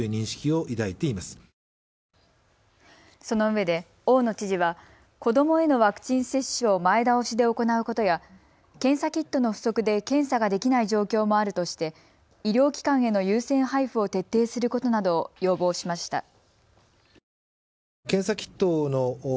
そのうえで大野知事は子どもへのワクチン接種を前倒しで行うことや検査キットの不足で検査ができない状況もあるとして医療機関への優先配布を徹底することなどを要望しました。